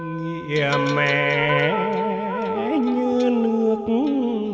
nghe mẹ như nước mưa